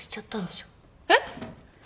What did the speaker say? えっ！？